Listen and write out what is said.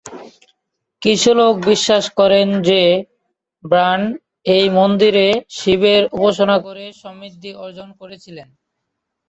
কিছু লোক বিশ্বাস করেন যে বাণ এই মন্দিরে শিবের উপাসনা করে সমৃদ্ধি অর্জন করেছিলেন।